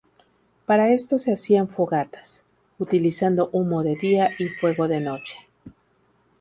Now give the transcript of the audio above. Para esto se hacían fogatas, utilizando humo de día y fuego de noche.